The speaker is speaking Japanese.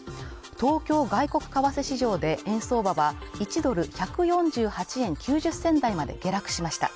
東京外国為替市場で円相場は１ドル＝１４８円９０銭台まで下落しました